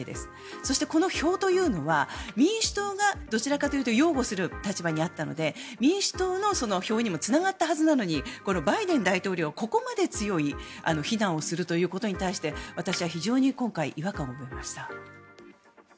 そして、この票というのは民主党がどちらかというと擁護する立場にあったので民主党の票にもつながったはずなのにバイデン大統領がここまで強い非難をするということに対して私は非常に今回違和感を覚えました。